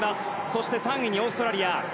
そして３位にオーストラリア。